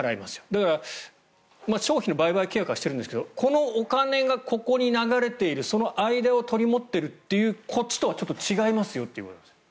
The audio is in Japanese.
だから、商品の売買契約はしているんですけどこのお金がここに流れているその間を取り持っているというこっちとはちょっと違いますよという。